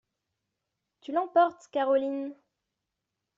Tu l'emportes, Caroline!